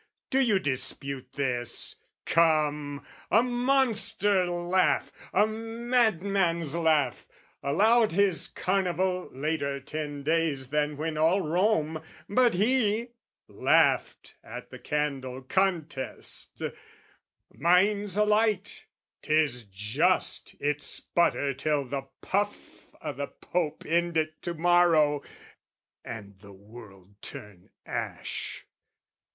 Do you dispute this? Come, a monster laugh, A madman's laugh, allowed his Carnival Later ten days than when all Rome, but he, Laughed at the candle contest: mine's alight, 'Tis just it sputter till the puff o' the Pope End it to morrow and the world turn Ash.